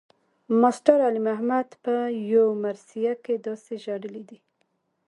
ماسټر علي محمد پۀ يو مرثيه کښې داسې ژړلے دے